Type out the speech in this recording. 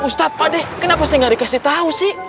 ustaz pak de kenapa saya gak dikasih tahu sih